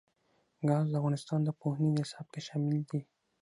ګاز د افغانستان د پوهنې نصاب کې شامل دي.